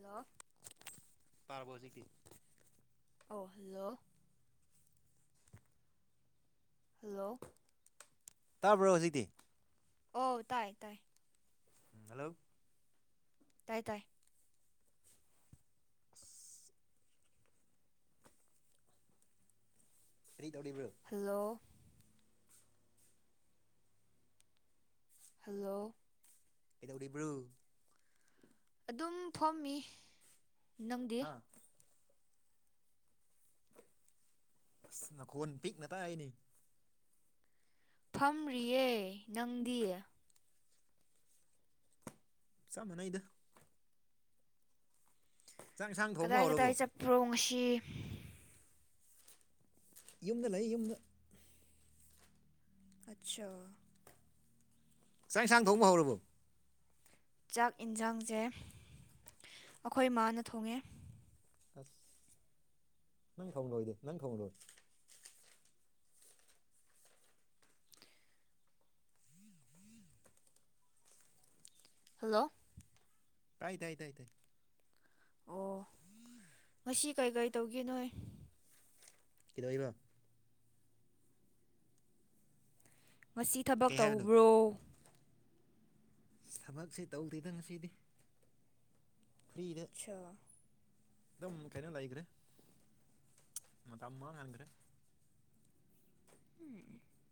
Hello. ꯇꯥꯔꯕ‌ꯣ ꯍꯨꯖꯤꯛꯇꯤ꯫ ꯑꯣ ꯍꯜꯂꯣ꯫ ꯍꯜꯂꯣ꯫ ꯇꯥꯕ꯭ꯔꯣ ꯍꯧꯖꯤꯛꯇꯤ꯫ ꯑꯣ ꯇꯥꯏ ꯇꯥꯏ꯫ ꯍꯜꯂꯣ꯫ ꯇꯥꯏ ꯇꯥꯏ꯫ ꯑꯁ ꯀꯔꯤ ꯇꯧꯔꯤꯕ꯭ꯔꯥ꯫ ꯍꯜꯂꯣ꯫ ꯍꯜꯂꯣ꯫ ꯀꯩꯗꯧꯔꯤꯕ꯭ꯔꫭ꯫ ꯑꯗꯨꯝ ꯐꯣꯝꯃꯤ ꯅꯪꯗꯤ꯫ ꯍꯥ ꯑꯁ ꯅꯈꯣꯟ ꯄꯤꯛꯅ ꯇ ꯍꯥꯏꯅꯤ꯫ ꯐꯝꯔꯤꯌꯦ ꯅꯪꯗꯤ꯫ ꯆꯞꯃꯥꯅꯩꯗ꯫ ꯆꯥꯛ ꯏꯟꯁꯥꯡ ꯊꯣꯡꯕ ꯀꯗꯥꯏ ꯍꯧꯔꯕꯣ ꯀꯗꯥꯏ ꯆꯠꯄ꯭ꯔꯣ ꯉꯁꯤ꯫ ꯌꯨꯝꯗ ꯂꯩ ꯌꯨꯝꯗ꯫ ꯑꯁꯥ꯫ ꯆꯥꯛ ꯏꯟꯁꯥꯡ ꯊꯣꯡꯕ ꯍꯧꯔꯕꯣ ꯆꯥꯛ ꯌꯦꯟꯁꯥꯡꯁꯦ ꯑꯩꯈꯣꯏ ꯃꯥꯅ ꯊꯣꯡꯉꯦ ꯑꯁ ꯅꯪ ꯊꯣꯡꯂꯣꯏꯗꯤ ꯅꯪ ꯊꯣꯡꯂꯣ ꯍꯜꯂꯣ ꯇꯥꯏ ꯇꯥꯏ ꯇꯥꯏ ꯇꯥꯏ ꯑꯣ ꯉꯁꯤ ꯀꯩ ꯀꯩ ꯇꯧꯒꯦ ꯅꯣꯏ꯫ ꯀꯩꯗꯧꯔꯤꯕ꯫ ꯉꯁꯤ ꯊꯕꯛ ꯀꯩ ꯍꯥꯏꯕꯅꯣ ꯇꯧꯕ꯭ꯔꯣ꯫ ꯊꯕꯛꯁꯦ ꯇꯧꯗ‌ꯦꯗ ꯉꯁꯤꯗꯤ꯫ ꯀ꯭ꯔꯤꯗ꯫ ꯆꯥ꯫ ꯗꯝ ꯀꯩꯅ ꯂꯩꯒ‍ꯔꯦ ꯃꯇꯝ ꯃꯥꯡꯍꯪꯒꯔ‌ꯦ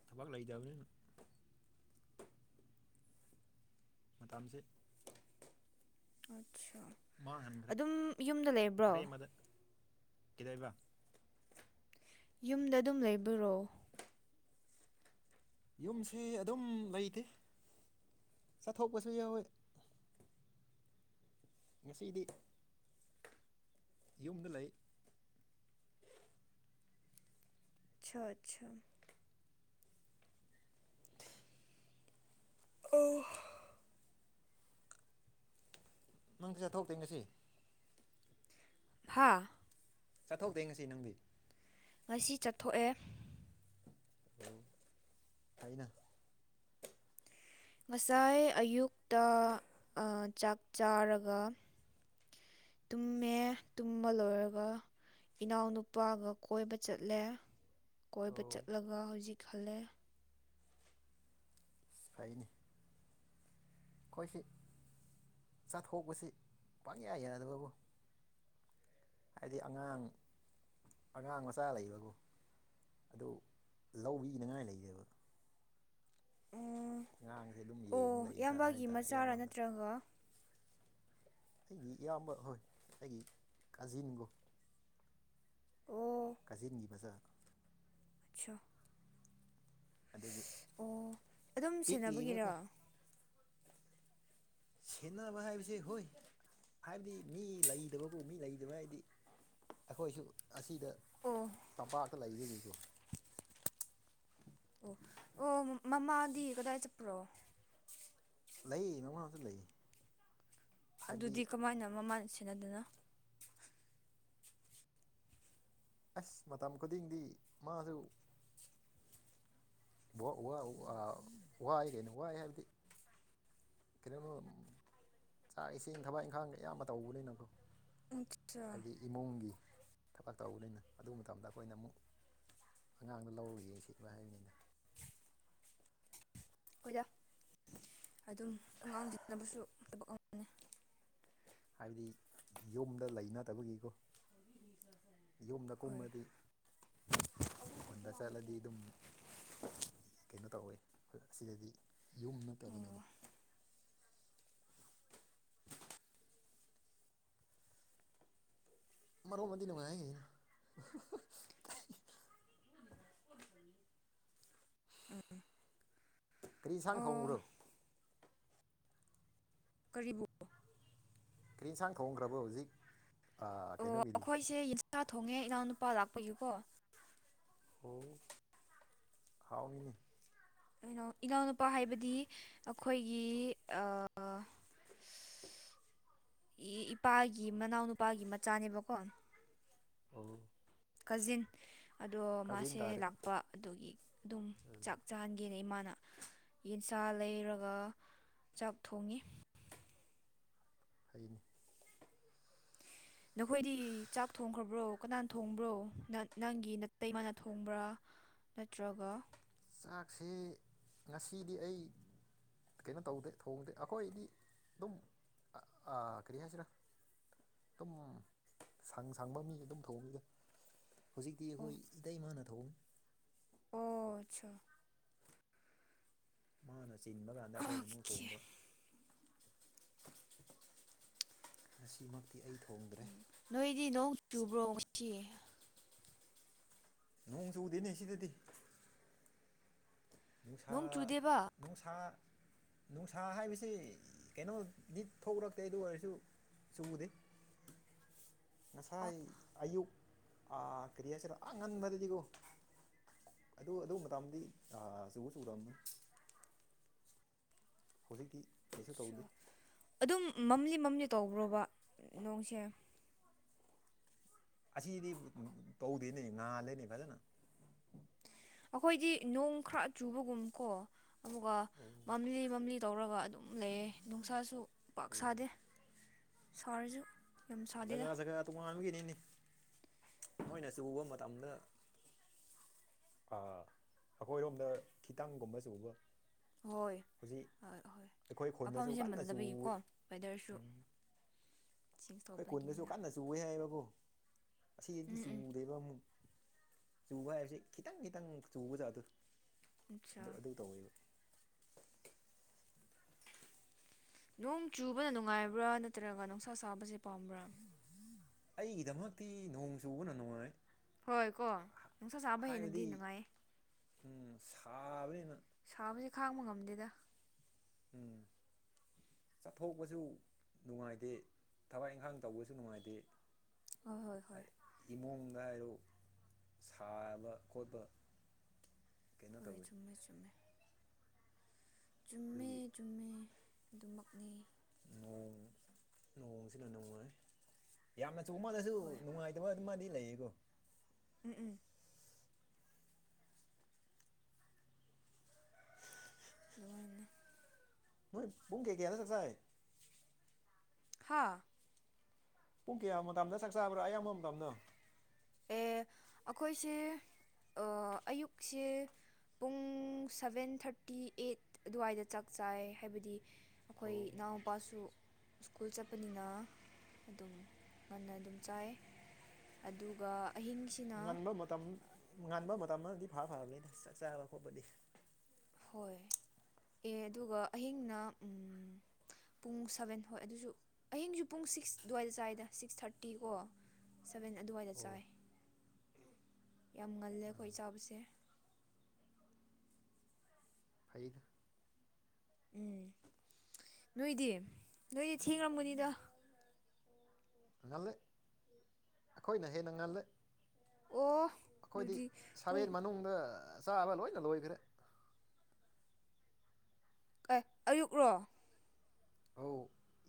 ꯊꯕꯛ ꯂꯩꯇꯕꯅꯤꯅ ꯃꯇꯝꯁꯦ ꯑꯠꯁꯥ ꯃꯥꯡꯍꯟꯈ꯭ꯔꯦ ꯑꯗꯨꯝ ꯌꯨꯝꯗ ꯂꯩꯕ꯭ꯔꯣ ꯀꯩꯗꯩꯕ ꯌꯨꯝꯗ ꯑꯗꯨꯝ ꯂꯩꯕꯔꯣ ꯌꯨꯝꯁꯤ ꯑꯗꯨꯝ ꯂꯩꯇꯦ ꯆꯠꯊꯣꯛꯄꯁꯨ ꯌꯥꯎꯏ ꯉꯁꯤꯗꯤ ꯌꯨꯝꯗ ꯂꯩ ꯑꯆꯥ ꯑꯆꯥ ꯑꯣ ꯃꯪꯗꯤ ꯆꯠꯊꯣꯛꯇꯦ ꯉꯁꯤ ꯍꯥꯥ ꯆꯠꯊ‌ꯣꯛꯇ‌ꯦ ꯉꯁꯤ ꯅꯪꯗꯤ ꯉꯁꯤ ꯆꯠꯊꯣꯛꯑꯦ ꯎꯝ ꯐꯥꯏꯅ ꯉꯁꯥꯏ ꯑꯌꯨꯛꯇ ꯑꯥ ꯆꯥꯛ ꯆꯥꯔꯒ ꯇꯨꯝꯃꯦ ꯇꯨꯝꯕ ꯂꯣꯏꯔꯒ ꯏꯅꯥꯎꯅꯨꯄꯥꯒ ꯀꯣꯏꯕ ꯆꯠꯂꯦ ꯀꯣꯏꯕ ꯑꯣ ꯆꯠꯂꯒ ꯍꯧꯖꯤꯛ ꯈꯜꯂꯦ ꯐꯥꯏꯅꯤ ꯑꯩꯈꯣꯏꯁꯤ ꯆꯠꯊꯣꯛꯁꯤ ꯄꯪꯌꯥꯏ ꯌꯥꯗꯕꯕꯨ ꯍꯥꯏꯗꯤ ꯑꯉꯥꯡ ꯑꯉꯥꯡ ꯃꯆꯥ ꯂꯩꯕꯀꯣ ꯑꯗꯨ ꯂꯧꯕꯤꯅꯉꯥꯏ ꯂꯩꯗꯦꯕ ꯑꯣ ꯑꯉꯥꯡꯁꯦ ꯑꯗꯨꯝ ꯑꯣ ꯌꯦꯡ ꯂꯩꯏꯗ ꯏꯌꯥꯝꯕꯒꯤ ꯍꯥꯏꯕ ꯇꯥꯔꯦ ꯃꯆꯥꯔꯥ ꯏꯌꯥꯝꯕꯇ ꯅꯠꯇ꯭ꯔꯒ ꯑꯩꯒꯤ ꯏꯌꯥꯝꯕ ꯍꯣꯏ ꯑꯩꯒꯤ ꯀꯥꯖꯤꯟꯒꯣ ꯑꯣ ꯀꯥꯖꯤꯟꯒꯤ ꯃꯖꯥꯗ‌ꯣ ꯑꯆꯥꯣ ꯑꯗꯨꯒꯤ ꯑꯣ ꯑꯗꯨꯝ ꯁꯦꯟꯅꯕꯒꯤꯔꯣ ꯄꯤꯛꯂꯤꯕꯀꯣ ꯁꯦꯟꯅꯕ ꯍꯥꯏꯕꯁꯦ ꯍꯣꯏ ꯍꯥꯏꯕꯗꯤ ꯃꯤ ꯂꯩꯇꯕꯀꯣ ꯃꯤ ꯂꯩꯗꯕ ꯍꯥꯏꯕꯗꯤ ꯑꯩꯈꯣꯏꯁꯨ ꯑꯁꯤꯗ ꯑꯣ ꯇꯝꯄꯥꯛꯇ ꯂꯩꯕꯒꯀꯣ ꯑꯣ ꯑꯣ ꯃꯃꯥꯗꯤ ꯀꯗꯥꯏ ꯆꯠꯄ꯭ꯔꯣ ꯂꯩ ꯃꯃꯥꯡꯗ ꯂꯩ ꯍꯥꯏꯕꯗꯤ ꯑꯗꯨꯗꯤ ꯀꯃꯥꯏꯅ ꯃꯃꯥꯅ ꯁꯤꯟꯅꯗꯅꯣ ꯑꯁ ꯃꯇꯝ ꯈꯨꯗꯤꯡꯗꯤ ꯃꯥꯁꯨ ꯋꯥ ꯋꯥꯎ ꯋꯥꯎ ꯋꯥꯏ ꯀꯩꯅꯣ ꯋꯥꯏ ꯍꯥꯏꯕꯗꯤ ꯀꯩꯅꯣꯃꯣ ꯆꯥꯛ ꯏꯁꯤꯡ ꯊꯕꯛ ꯏꯪꯈꯥꯡꯒ ꯑꯌꯥꯝꯕ ꯇꯧꯕꯅꯤꯅꯀꯣ ꯑꯆꯥ ꯍꯥꯏꯕꯗꯤ ꯏꯃꯨꯡꯒꯤ ꯊꯕꯛ ꯇꯧꯕꯅꯤꯅ ꯑꯗꯨ ꯃꯇꯝꯗ ꯑꯩꯈꯣꯏꯅ ꯑꯃꯨꯛ ꯑꯉꯥꯡꯗꯣ ꯂꯧꯔꯒ ꯌꯦꯡꯁꯤꯠꯕ ꯍꯥꯏꯕꯅꯤꯅ ꯑꯩꯈꯣꯏꯗ ꯑꯗꯨꯝ ꯑꯉꯥꯡꯁꯤꯅꯕꯁꯨ ꯊꯕꯛ ꯑꯃꯅꯤ ꯍꯥꯏꯕꯗꯤ ꯌꯨꯝꯗ ꯂꯩꯅꯗꯕꯒꯤꯀꯣ ꯌꯨꯝꯗ ꯍꯣꯏ ꯀꯨꯝꯃꯗꯤ ꯈꯣꯟꯗ ꯆꯠꯂꯗꯤ ꯑꯗꯨꯝ ꯀꯩꯅꯣ ꯇꯧꯋꯦ ꯁꯤꯗꯗꯤ ꯌꯨꯝ ꯑꯣ ꯅꯠꯇꯕꯅꯤꯅ ꯃꯔꯣ ꯑꯃꯗꯤꯗꯤ ꯅꯨꯡꯉꯥꯏ [inaudible] ꯎꯝ ꯀꯔꯤꯁꯥꯡ ꯑꯣ ꯊ‌ꯣꯡꯕ꯭ꯔꯣ ꯀꯔꯤꯕꯣ ꯀꯔꯤ ꯌꯦꯟꯁꯥꯡ ꯊꯣꯡꯣꯡꯈ꯭ꯔꯕꯔ‌ꯣ ꯍꯧꯖꯤꯛ ꯑꯥ ꯀꯩꯅꯣꯒꯤꯗꯤ ꯑꯩꯁꯦ ꯌꯦꯟꯁꯥ ꯊꯣꯡꯉꯦ ꯏꯅꯥꯎꯅ ꯅꯨꯄꯥ ꯂꯥꯛꯄꯒꯤꯀꯣ ꯑꯣ ꯍꯥꯎꯅꯤꯅꯦ ꯀꯩꯅꯣ ꯏꯅꯥꯎꯅꯨꯄꯥ ꯍꯥꯏꯕꯗꯤ ꯑꯩꯈꯣꯏꯒꯤ ꯏꯄꯥꯒꯤ ꯃꯅꯥꯎꯅꯨꯄꯥꯒꯤ ꯃꯆꯥꯅꯦꯕꯀꯣ ꯎꯝ ꯀꯖꯤꯟ ꯑꯗꯣ ꯀꯥꯖꯤꯟ ꯃꯥꯁꯦ ꯇꯥꯔꯦ ꯂꯥꯛꯄ ꯑꯗꯨꯒꯤ ꯑꯗꯨꯝ ꯑ ꯆꯥꯛ ꯆꯥꯍꯟꯒ ꯌꯦꯅ ꯏꯃꯥꯅ ꯌꯦꯟꯁꯥ ꯂꯩꯔꯒ ꯆꯥꯛ ꯊꯣꯡꯉꯤ ꯍꯥꯏꯅꯤ ꯅꯈꯣꯏꯗꯤ ꯆꯥꯛ ꯊꯣꯡꯈ꯭ꯔꯕ꯭ꯔꯣ ꯀꯅꯥꯅ ꯊꯣꯡꯕ꯭ꯔꯣ ꯅꯪꯒꯤ ꯅꯥꯇꯩ ꯃꯥꯅ ꯊꯣꯡꯕ꯭ꯔꯥ ꯅꯠꯇ꯭ꯔꯒ ꯆꯥꯛꯁꯤ ꯉꯁꯤꯗꯤ ꯑꯩ ꯀꯩꯅꯣ ꯇꯧꯗꯦ ꯊꯣꯡꯗꯦ ꯑꯩꯈꯣꯏꯗꯤ ꯑꯗꯨꯝ ꯀꯔꯤ ꯍꯥꯏꯁꯤꯔꯥ ꯑꯗꯨꯝ ꯁꯪ ꯁꯪꯕ ꯃꯤ ꯑꯗꯨꯝ ꯊꯣꯡꯈꯤꯗ ꯍꯧꯖꯤꯛꯇꯤ ꯑꯣ ꯑꯩꯈꯣꯏ ꯏꯇꯩ ꯃꯥꯅ ꯊꯧ ꯑꯣ ꯃꯥꯅ ꯆꯤꯟꯕ ꯀꯥꯟꯗ ꯑꯩꯈꯣꯏꯅ ꯑꯃꯨꯛ ꯑꯣꯀꯦ ꯊꯣꯡꯕ ꯉꯁꯤꯃꯛꯇꯤ ꯑꯩ ꯊꯣꯡꯗ꯭ꯔꯦ ꯅꯣꯏꯗꯤ ꯅꯣꯡ ꯆꯨꯕ꯭ꯔꯣ ꯁꯤ ꯅꯣꯡ ꯆꯨꯗꯦꯅꯦ ꯁꯤꯗꯗꯤ ꯅꯨꯡꯁꯥ ꯅꯣꯡ ꯆꯨꯗꯦꯕ ꯑ ꯅꯨꯡꯁ ꯅꯨꯡꯁꯥ ꯍꯥꯏꯕꯁꯤ ꯀꯩꯅꯣꯗꯤ ꯊꯣꯛꯂꯛꯇꯦ ꯑꯗꯨ ꯑꯣꯏꯔꯁꯨ ꯆꯨꯗꯦ ꯉꯁꯥꯏ ꯑꯌꯨꯛ ꯀꯔꯤ ꯍꯥꯏꯁꯤꯔꯣ ꯑ ꯉꯟꯕꯗꯗꯤꯀꯣ ꯑꯗꯨ ꯑꯗꯨ ꯃꯇꯥꯝꯗꯤ ꯆꯕ ꯆ ꯇꯝ ꯍꯧꯖꯤꯛꯇꯤ ꯀꯩꯁꯨ ꯇꯧꯗꯦ ꯑꯗꯨꯝ ꯃꯝꯂꯤ ꯃꯝꯂꯤ ꯇꯧꯕ꯭ꯔꯣꯕ ꯅꯣꯡꯁꯦ ꯑꯁꯤꯗꯤ ꯇꯧꯗꯦꯅꯦ ꯉꯥꯜꯂꯤꯅꯤ ꯐꯖꯅ ꯑꯩꯈꯣꯏꯗꯤ ꯅꯣꯡ ꯈꯔ ꯆꯨꯕꯒꯨꯝ ꯀꯣ ꯑꯗꯨꯒ ꯎꯝ ꯃꯝꯂꯤ ꯃꯝꯂꯤ ꯇꯧꯔꯒ ꯑꯗꯨꯝ ꯑꯗꯨꯝ ꯂꯩꯌꯦ ꯅꯨꯡꯁꯥꯁꯨ ꯄꯥꯛ ꯁꯥꯗꯦ ꯁꯥꯔꯁꯨ ꯌꯥꯝ ꯁꯥꯗꯦꯗ ꯖꯒꯥ ꯖꯒꯥ ꯇꯣꯉꯥꯟꯕꯒꯤꯅꯤꯅꯤ ꯅꯣꯏꯅ ꯆꯕ ꯃꯇꯝꯗ ꯑꯩꯈꯣꯏꯔꯣꯝꯗ ꯈꯤꯇꯪꯒꯨꯝꯕꯕꯁꯤꯒꯨꯝꯕ ꯍꯣꯏ ꯑꯣꯏ ꯍꯣꯏ ꯑꯩꯈꯣꯏ ꯃꯐꯝ ꯈꯨꯟꯗꯁꯨ ꯁꯦꯝ ꯀꯟꯅ ꯆꯨꯋꯦ ꯃꯅꯗꯕꯒꯤꯀꯣ ꯋꯦꯗꯔꯁꯨ ꯎꯝ ꯆꯦꯛ ꯇꯧꯕꯒꯤꯅꯤꯅ ꯆꯨ ꯍꯥꯏꯌꯦꯕꯀꯣ ꯑꯁꯤꯗꯤ ꯎꯝ ꯎꯝ ꯆꯨꯗꯦꯕ ꯑꯃꯨꯛ ꯆꯨꯕ ꯍꯥꯏꯕꯁꯤ ꯈꯤꯇꯪ ꯈꯤꯇꯪ ꯆꯨꯕꯖꯥꯠ ꯑꯗꯨ ꯑꯠꯆꯥ ꯑꯗꯨ ꯑꯗꯨ ꯇꯧꯋꯦꯕ ꯅꯣꯡ ꯆꯨꯕꯅ ꯅꯨꯡꯉꯥꯏꯕ꯭ꯔꯥ ꯅꯠꯇ꯭ꯔꯒ ꯅꯨꯡꯁꯥ ꯁꯥꯕꯁꯦ ꯄꯥꯝꯕ꯭ꯔꯥ ꯑꯩꯒꯤꯗꯃꯛꯇꯤ ꯅꯣꯡ ꯆꯨꯕꯅ ꯅꯨꯡꯉꯥꯏ ꯍꯣꯏ ꯀꯣ ꯅꯨꯡꯁꯥ ꯆꯥꯕ ꯍꯦꯟꯅꯗꯤ ꯅꯨꯡꯉꯥꯏꯌꯦ꯫ ꯎꯝ ꯁꯥꯕꯅꯤꯅ꯫ ꯁꯥꯕꯁꯤ ꯈꯥꯡꯕ ꯉꯝꯗꯦꯗ꯫ ꯎꯝ꯫ ꯆꯠꯊꯣꯛꯄꯁꯨ ꯅꯨꯡꯉꯥꯏꯇꯦ ꯊꯕꯛ ꯏꯪꯈꯥꯡ ꯇꯧꯕꯁꯨ ꯅꯨꯡꯉꯥꯏꯇꯦ꯫ ꯍꯣꯏ ꯍꯣꯏ ꯍꯣꯏ ꯐꯥꯢ꯫ ꯏꯃꯨꯡꯗ ꯍꯥꯏꯔꯣ ꯁꯥꯕ ꯈꯣꯠꯄ꯫ ꯀꯩꯅꯣ ꯍꯣꯏ ꯇꯧꯋꯤ ꯆꯨꯝꯃꯦ ꯆꯨꯝꯃꯦ꯫ ꯑꯗꯨꯒꯤ꯫ ꯆꯨꯝꯃꯦ ꯆꯨꯝꯃꯦ ꯑꯗꯨꯃꯛꯅꯤ꯫ ꯅ ꯅꯣꯡꯁꯤꯅ ꯅꯨꯡꯉꯥꯏ ꯌꯥꯝꯅ ꯆꯨꯃꯜꯂꯁꯨ ꯍꯣꯏ ꯅꯨꯡꯉꯥꯏꯇꯕ ꯑꯗꯨꯃꯗꯤ ꯂꯩꯌꯦꯀꯣ ꯎꯝ ꯎꯝ ꯑꯗꯨꯒ ꯃꯣꯏ ꯄꯨꯡ ꯀꯩꯀꯦ [unintelligible] ꯆꯥꯏ ꯍꯥ ꯄꯨꯡ ꯀꯌꯥ ꯃꯇꯝꯗ ꯆꯥꯛ ꯆꯥꯕ꯭ꯔꯥ ꯑꯌꯥꯝꯕ ꯃꯇꯝꯗꯣ ꯑꯦ ꯑꯩꯈꯣꯏꯁꯦ ꯑꯌꯨꯛꯁꯦ ꯄꯨꯡ ꯁꯚꯦꯟ ꯊꯥꯔꯇꯤ ꯑꯩꯠ ꯑꯗꯨꯋꯥꯏꯗ ꯆꯥꯛ ꯆꯥꯏ ꯍꯥꯏꯕꯗꯤ ꯑꯩꯈꯣꯏ ꯑꯣ ꯏꯅꯥꯎꯄꯥꯁꯨ ꯁ꯭ꯀꯨꯜ ꯆꯠꯄꯅꯤꯅ ꯑꯗꯨꯝ ꯉꯟꯅ ꯑꯗꯨꯝ ꯆꯥꯏ ꯑꯗꯨ ꯑꯗꯨꯒ ꯑꯍꯤꯡ ꯉꯟꯕ ꯃꯇꯝ ꯉꯟꯕ ꯃꯇꯝ ꯑꯃꯗꯤꯗꯤ ꯐꯔꯕꯅꯤꯅ ꯆꯥꯛ ꯆꯥꯕ ꯈꯣꯠꯄꯗꯤ꯫ ꯍꯣꯏ [inaudible] ꯑꯦ ꯑꯗꯨꯒ ꯑꯍꯤꯡꯅ ꯎꯝ ꯫ ꯄꯨꯡ ꯁꯚꯦꯟ ꯍꯣꯏ ꯑꯗꯨꯁꯨ ꯑꯍꯤꯡꯁꯨ ꯄꯨꯡ ꯁꯤꯛꯁ ꯑꯗꯨꯋꯥꯏꯗ ꯆꯥꯏꯏꯗ ꯁꯤꯛꯁ ꯊꯥꯔꯇꯤ ꯀꯣ꯫ ꯁꯚꯦꯟ ꯑꯗꯨꯋꯥꯏꯗ ꯑꯣ ꯆꯥꯏ ꯌꯥꯝ ꯉꯜꯂꯦ ꯑꯩꯈꯣꯏ ꯆꯥꯕꯁꯦ꯫ ꯐꯩꯒ [unintelligible] ꯎꯝ ꯅꯣꯏꯗꯤ ꯅꯣꯏꯗꯤ ꯊꯦꯡꯂꯝꯒꯅꯤꯗ꯫ ꯉꯜꯂꯦ ꯑꯩꯈꯣꯏꯅ ꯍꯦꯟꯅ ꯉꯜꯂꯦ꯫ ꯑꯣ ꯑꯩꯈꯣꯏꯗꯤ ꯑꯗꯨꯗꯤ ꯄꯨꯡ ꯁꯥꯕꯦꯟ ꯃꯅꯨꯡꯗ ꯆꯥꯕ ꯂꯣꯏꯅ ꯂꯣꯏꯈ꯭ꯔꯦ꯫ ꯀ ꯑꯌꯨꯛ ꯔꯣ꯫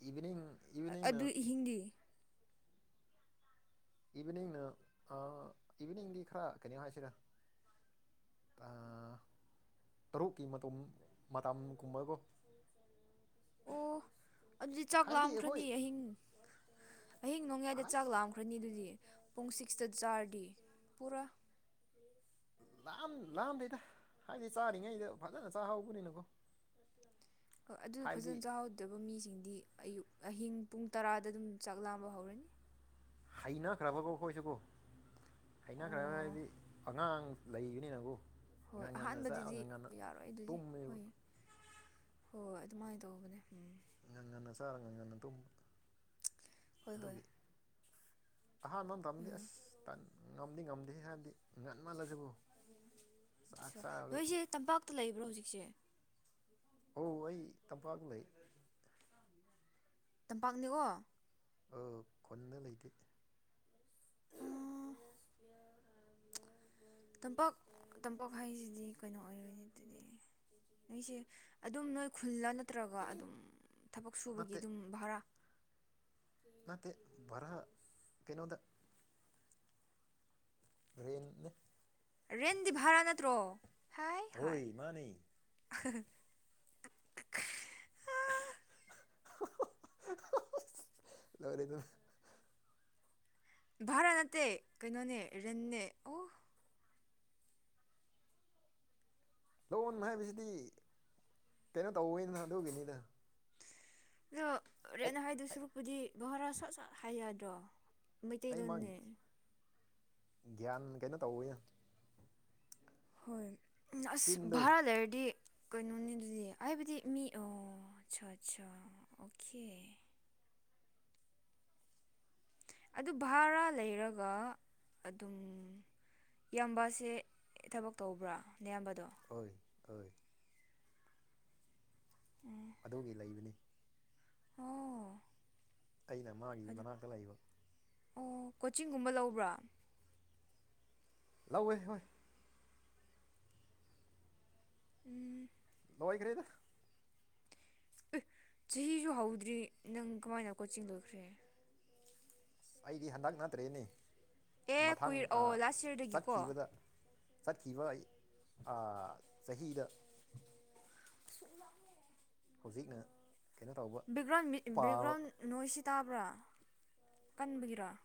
ꯏꯚꯅꯤꯡ ꯏꯚꯅꯤꯡꯅ꯫ ꯑꯗꯨ ꯑꯍꯤꯡꯗꯤ ꯏꯚꯤꯅꯤꯡꯅ ꯏꯚꯤꯅꯤꯡꯗꯤ ꯈꯔ ꯀꯩꯅꯣ ꯍꯥꯏꯁꯤꯔꯥ꯫ ꯑ ꯇꯔꯨꯛꯀꯤ ꯃꯇ ꯃꯇꯝꯒꯨꯝꯕꯀꯣ꯫ ꯑꯣ ꯑꯗꯨꯗꯤ ꯆꯥꯛ ꯍꯥꯏꯕꯗꯤ ꯑꯩꯈꯣꯏ ꯂꯥꯝꯈ꯭ꯔꯅꯤ ꯑꯍꯤꯡ ꯑꯍꯤꯡ ꯅꯣꯡꯌꯥꯏꯗ ꯆꯥꯛ ꯑꯥꯏꯁ ꯂꯥꯝꯈ꯭ꯔꯅꯤ ꯑꯗꯨꯗꯤ꯫ ꯄꯨꯡꯁꯤꯛꯁꯇ ꯆꯥꯔꯗꯤ ꯄꯨꯔꯥ꯫ ꯂꯥꯝ ꯂꯥꯝꯗꯩꯗ ꯍꯥꯏꯗꯤ ꯆꯥꯔꯤꯉꯩꯗ ꯐꯖꯅ ꯆꯥꯍꯧꯕꯅꯤꯅꯀꯣ꯫ ꯍꯣꯏ ꯑꯗꯨꯗ ꯍꯥꯏꯕꯗꯤ ꯐꯖꯅ ꯆꯥꯍꯧꯗꯕ ꯃꯤꯁꯤꯡꯗꯤ ꯑꯌꯨꯛ ꯑꯍꯤꯡ ꯄꯨꯡ ꯇꯔꯥꯗ ꯑꯗꯨꯝ ꯆꯥꯛ ꯂꯥꯝꯕ ꯍꯧꯔꯅꯤ꯫ ꯍꯩꯅꯈ꯭ꯔꯕꯀꯣ ꯑꯩꯈꯣꯏꯁꯨꯀꯣ ꯑꯣ ꯍꯩꯅꯈ꯭ꯔꯕ ꯍꯥꯏꯗꯤ꯫ ꯑꯉꯥꯡ ꯂꯩꯕꯅꯤꯅꯕꯨ꯫ ꯍꯣꯏ ꯑꯍꯥꯟꯕꯗꯨꯗꯤ ꯌꯥꯔꯣꯏ ꯑꯗꯨꯗꯤ ꯇꯨꯝꯃꯦꯕ ꯍꯣꯏ꯫ ꯍꯣꯏ ꯑꯗꯨꯃꯥꯏꯅ ꯇꯧꯕꯅꯦ ꯎꯝ꯫ ꯉꯟ ꯉꯟꯅ ꯆꯥꯔ ꯉꯪ ꯉꯟꯅ ꯇꯨꯝ꯫ ꯍꯣꯏ ꯍꯣꯏ꯫ ꯑꯍꯥꯟꯕ ꯃꯇꯝꯗꯤ ꯎꯝ ꯑꯁ ꯉꯝꯗꯤ ꯉꯝꯗꯦ ꯍꯥꯏꯕꯗꯤ ꯉꯟꯃꯜꯂꯁꯤꯀꯣ꯫ ꯑ ꯅꯣꯏꯁꯦ ꯇꯝꯄꯥꯛꯇ ꯂꯩꯕ꯭ꯔꯣ ꯍꯧꯖꯤꯛꯁꯦ꯫ ꯑꯣ ꯑꯩ ꯇꯝꯄꯥꯛ ꯂꯩ꯫ ꯇꯝꯄꯥꯛꯅꯤꯀꯣ꯫ ꯑ ꯈꯨꯟꯗ ꯂꯩꯇꯦ꯫ [inaudible] ꯇꯝꯄꯥꯛ ꯇꯝꯄꯥꯛ ꯍꯥꯏꯁꯤꯗꯤ ꯀꯩꯅꯣ ꯑꯣꯏꯔꯅꯤ ꯑꯗꯨꯗꯤ꯫ ꯅꯣꯏꯁꯦ ꯑꯗꯨꯝ ꯅꯣꯏ ꯈꯨꯜꯂ ꯅꯠꯇ꯭ꯔꯒ ꯑꯗꯨꯝ ꯊꯕꯛ ꯁꯨꯕꯒꯤ ꯅꯠꯇꯦ ꯑꯗꯨꯝ ꯚꯔꯥ꯫ ꯅꯠꯇꯦ ꯚꯔ ꯀꯩꯅꯣꯗ꯫ ꯔꯦꯟꯅꯦ꯫ ꯔꯦꯟꯗꯤ ꯚꯔꯥ ꯅꯠꯇ꯭ꯔꯣ ꯍꯥꯏ ꯍꯥꯏ꯫ ꯍꯣꯏ ꯃꯥꯅꯤ ꯂꯣꯢꯔꯦ ꯂꯣꯏꯔꯦ ꯫ ꯕꯔꯥ ꯅꯠꯇꯦ ꯀꯩꯅꯣꯅꯦ ꯔꯦꯟꯅꯦ ꯑꯣ ꯂꯣꯟ ꯍꯥꯏꯕꯁꯤꯗꯤ ꯀꯩꯅꯣ ꯇꯧꯋꯦꯗꯅ ꯑꯗꯨꯒꯤꯅꯤꯗ ꯑꯗꯣ ꯑꯩ ꯔꯦꯟ ꯍꯥꯏꯗꯣꯏ ꯑꯩ ꯁꯨꯔꯨꯛꯄꯨꯗꯤ ꯕꯥꯔꯥ ꯁꯠ ꯁꯠ ꯍꯥꯏ ꯌꯥꯗ꯭ꯔꯣ ꯑꯩ ꯃꯥ ꯃꯩꯇꯩꯂꯣꯟꯅꯦ ꯒ꯭ꯌꯥꯟ ꯀꯩꯅꯣ ꯇꯧꯋꯦꯗ ꯍꯣꯏ ꯑꯁ ꯆꯤꯟꯗꯨ ꯚꯔꯥ ꯂꯩꯔꯗꯤ ꯀꯩꯅꯣꯅꯤ ꯑꯗꯨꯗꯤ ꯍꯥꯏꯕꯗꯤ ꯃꯤ ꯑꯣ ꯑꯆꯥ ꯑꯆꯥ ꯑꯣꯀꯦ꯫ ꯑꯗꯨ ꯚꯔꯥ ꯂꯩꯔꯒ ꯑꯗꯨꯝ꯫ ꯏꯌꯥꯝꯕꯁꯦ ꯊꯕꯛ ꯇꯧꯕ꯭ꯔꯥ ꯅꯌꯥꯝꯕꯗꯣ꯫ ꯍꯣꯏ ꯍꯣꯏ꯫ ꯎꯝ꯫ ꯑꯗꯨꯒꯤ ꯂꯩꯕꯅꯤ ꯑꯣ ꯑꯩꯅ ꯃꯥꯒꯤ ꯑꯗꯨ ꯃꯅꯥꯛꯇ ꯂꯩꯕ ꯑꯣ ꯀꯣꯆꯤꯡꯒꯨꯝꯕ ꯂꯧꯕ꯭ꯔꯥ ꯂꯧꯋꯦ ꯍꯣꯏ ꯎꯝ ꯂꯣꯢꯒꯔꯦꯗ ꯑꯦ ꯆꯍꯤꯖꯨ ꯍꯧꯗ꯭ꯔꯤ ꯅꯪ ꯀꯃꯥꯏꯅ ꯀꯣꯆꯤꯡ ꯂꯣꯏꯈ꯭ꯔꯦ ꯑꯩꯗꯤ ꯍꯟꯗꯛ ꯅꯠꯇ꯭ꯔꯦꯅꯦ ꯑꯦ ꯃꯊꯪ ꯀꯨꯏꯔ ꯑꯣ ꯑꯥ ꯂꯥꯁ ꯌꯔꯗꯒꯤꯀꯣ ꯆꯠꯈꯤꯕꯗ ꯆꯠꯈꯤꯕꯢ ꯑꯥ ꯆꯍꯤꯗ [unintelligible] ꯍꯧꯖꯤꯛꯅ ꯀꯩꯅꯣ ꯇꯧꯕ ꯕꯦꯛꯒ꯭ꯔꯥꯎꯟ ꯄꯥꯕ ꯕꯦꯛꯒ꯭ꯔꯥꯎꯟ ꯅꯣꯏꯁꯤ ꯇꯥꯕ꯭ꯔꯥ ꯀꯟꯕꯒꯤꯔꯥ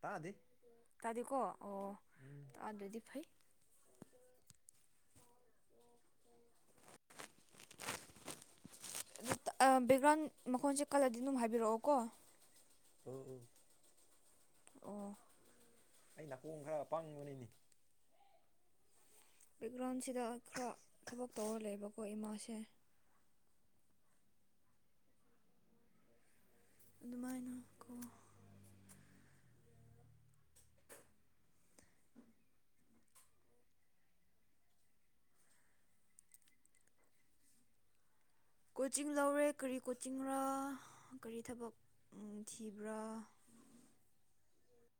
ꯇꯥꯗꯤ ꯇꯥꯗꯦꯀꯣ ꯑꯣ ꯇꯥꯗꯔꯥꯗꯤ ꯐꯩ ꯑꯥ ꯕꯦꯛꯒ꯭ꯔꯥꯎꯟ ꯃꯈꯣꯟꯁꯦ ꯀꯜꯂꯗꯤ ꯑꯗꯨꯝ ꯍꯥꯏꯕꯤꯔꯛꯑꯣꯀꯣ ꯎꯝ ꯎꯝ ꯑꯣ ꯑꯩ ꯅꯥꯀꯣꯡ ꯈꯔ ꯄꯪꯕꯅꯤꯅꯦ ꯕꯦꯛꯒ꯭ꯔꯥꯎꯟꯁꯤꯗ ꯈꯔꯥ ꯊꯕꯛ ꯇꯧꯔ ꯂꯩꯌꯦꯕꯀꯣ ꯏꯃꯥꯁꯦ ꯑꯗꯨꯃꯥꯏꯅ ꯀꯣ ꯀꯣꯆꯤꯡ ꯂꯧꯔꯦ ꯀꯔꯤ ꯀꯣꯆꯤꯡꯔꯥ ꯀꯔꯤ ꯊꯕꯛ ꯎꯝ ꯊꯤꯕ꯭ꯔꯥ